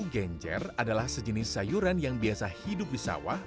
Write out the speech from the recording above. genjer adalah sejenis sayuran yang biasa hidup di sawah